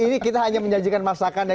ini kita hanya menjanjikan masakan dan